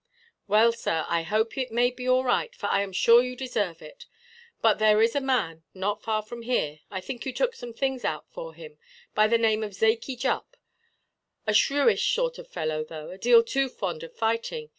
"Well, sir, I hope it may be all right; for I am sure you deserve it. But there is a man, not far from here, I think you took some things out for him, by the name of Zakey Jupp; a shrewdish sort of fellow, though a deal too fond of fighting.